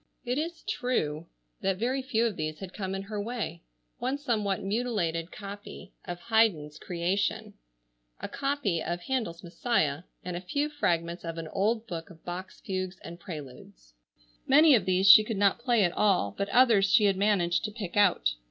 It is true that very few of these had come in her way. One somewhat mutilated copy of Handel's "Creation," a copy of Haydn's "Messiah," and a few fragments of an old book of Bach's Fugues and Preludes. Many of these she could not play at all, but others she had managed to pick out.